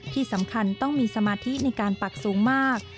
ที่สำคัญต้องมีสมาธิในการปักสูงมาก